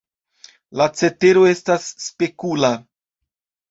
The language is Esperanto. La cetero estas spekula.